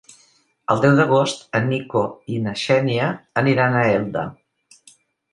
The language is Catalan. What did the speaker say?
El deu d'agost en Nico i na Xènia aniran a Elda.